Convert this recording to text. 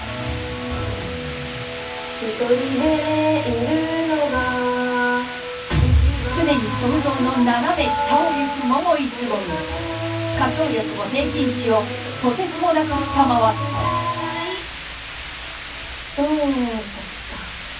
一人でいるのが常に想像の斜め下をいく桃井蕾未歌唱力も平均値をとてつもなく下回ったどうでした？